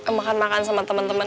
makan makan sama temen temen